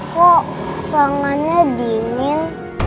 kok tangannya dingin